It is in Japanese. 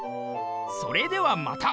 それではまた。